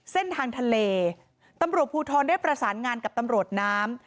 เส้นทางทะเลตำรวจภูทรได้ประสานงานกับตำรวจน้ำ